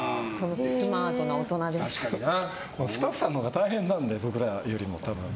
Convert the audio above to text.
スタッフさんのほうが大変なので、僕らより。